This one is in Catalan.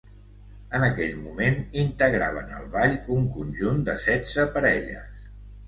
En aquell moment integraven el ball un conjunt de setze parelles.